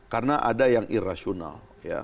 karena ada yang irasional